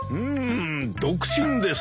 独身ですな。